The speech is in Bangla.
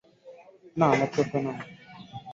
না, ল্যাপটপটা নাও।